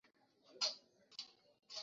Mvutano waongezeka katika utoaji habari